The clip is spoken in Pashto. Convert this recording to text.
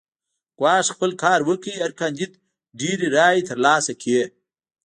ګواښ خپل کار وکړ هر کاندید ډېرې رایې ترلاسه کړې.